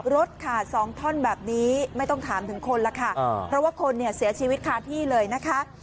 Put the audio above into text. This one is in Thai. รถขาดสองท่อนแบบนี้ไม่ต้องถามถึงคนแล้วค่ะเพราะว่าคนเนี่ยเสียชีวิตคาที่เลยนะคะ